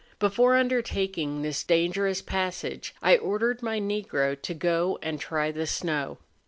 Before undertaking this dangerous passage, I ordered my Negro to go and try the snow.